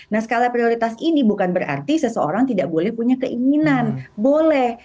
nah skala prioritas ini bukan berarti seseorang tidak boleh punya keinginan boleh